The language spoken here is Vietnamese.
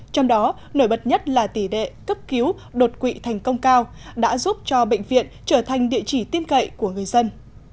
trong đó nổi bật nhất là tỷ đệ cấp cứu đột quỵ thành công cao đã giúp cho bệnh viện trở thành địa chỉ tin cậy của người dân